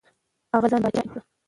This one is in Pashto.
هغه ځان پادشاه اعلان کړ.